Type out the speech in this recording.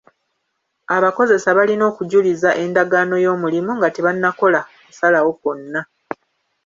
Abakozesa balina okujuliza endagaano y'omulimu nga tebannakola kusalawo kwonna.